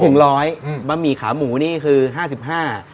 ถูกร้อยบะหมี่ขาหมูนี่คือ๕๕บาท